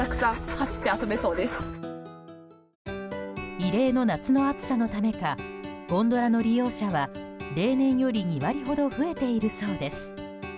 異例の夏の暑さのためかゴンドラの利用者は例年より２割ほど増えているそうです。